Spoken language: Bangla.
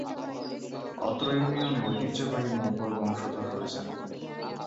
অত্র ইউনিয়নে ঐতিহ্যবাহী মোগল বংশধর রয়েছেন।